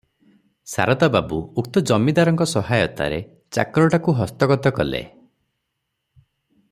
ଶାରଦା ବାବୁ ଉକ୍ତ ଜମିଦାରଙ୍କ ସହାୟତାରେ ଚାକରଟାକୁ ହସ୍ତଗତ କଲେ ।